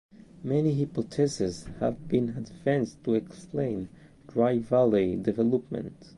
Many hypotheses have been advanced to explain dry valley development.